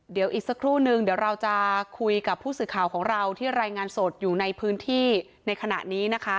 เดี๋ยวอีกสักครู่นึงเดี๋ยวเราจะคุยกับผู้สื่อข่าวของเราที่รายงานสดอยู่ในพื้นที่ในขณะนี้นะคะ